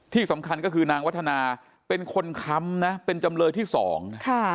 ที่สำคัญก็คือนางวัฒนาเป็นคนค้ำนะเป็นจำเลยที่สองค่ะ